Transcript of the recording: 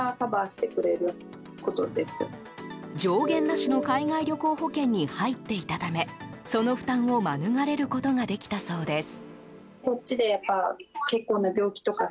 上限なしの海外旅行保険に入っていたためその負担を免れることができたそうです。